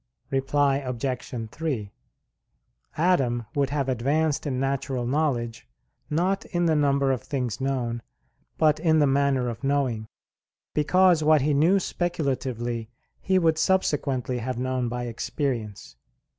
Reply Obj. 3: Adam would have advanced in natural knowledge, not in the number of things known, but in the manner of knowing; because what he knew speculatively he would subsequently have known by experience.